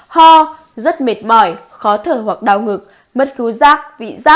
ho rất mệt mỏi khó thở hoặc đau ngực mất hú rác vị rác buồn nôn tiêu chảy